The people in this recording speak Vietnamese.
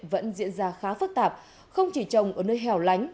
vẫn diễn ra khá phức tạp không chỉ trồng ở nơi hèo lánh